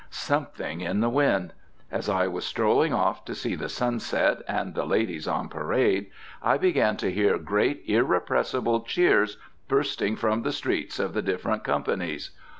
Something in the wind! As I was strolling off to see the sunset and the ladies on parade, I began to hear great irrepressible cheers bursting from the streets of the different companies.